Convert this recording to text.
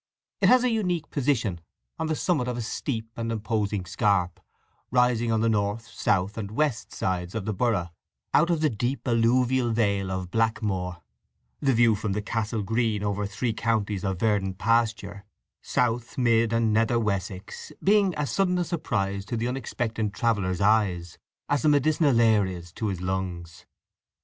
It has a unique position on the summit of a steep and imposing scarp, rising on the north, south, and west sides of the borough out of the deep alluvial Vale of Blackmoor, the view from the Castle Green over three counties of verdant pasture—South, Mid, and Nether Wessex—being as sudden a surprise to the unexpectant traveller's eyes as the medicinal air is to his lungs.